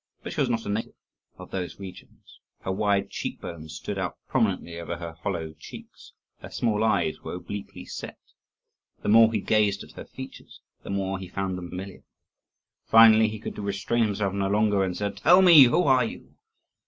But she was not a native of those regions: her wide cheek bones stood out prominently over her hollow cheeks; her small eyes were obliquely set. The more he gazed at her features, the more he found them familiar. Finally he could restrain himself no longer, and said, "Tell me, who are you?